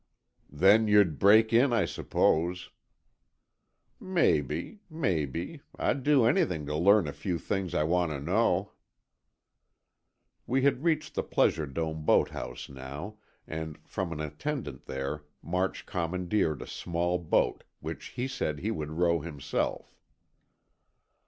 "Then you'd break in, I suppose." "Maybe, maybe. I'd do anything to learn a few things I want to know." We had reached the Pleasure Dome boathouse now, and from an attendant there March commandeered a small boat, which he said he would row himself.